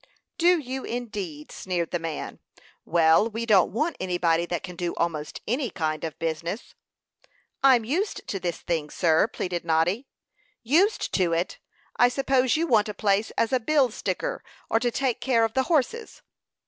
"Do you, indeed!" sneered the man. "Well, we don't want anybody that can do almost any kind of business." "I'm used to this thing, sir," pleaded Noddy. "Used to it! I suppose you want a place as a bill sticker, or to take care of the horses."